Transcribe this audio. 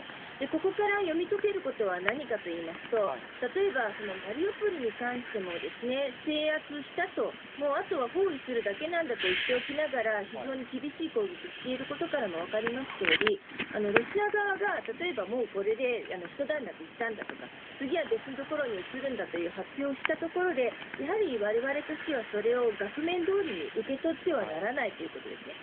ここから読み解けることは何かといいますと、例えばマリウポリに関しても制圧したと、もうあとは包囲するだけなんだと言っておきながら、非常に厳しい攻撃をしていることからも分かりますとおり、ロシア側が、例えばもうこれで、一段落したんだとか、次は別の所に移るんだという発表をしたところで、やはりわれわれとしては、それを額面どおりに受け取ってはならないということですね。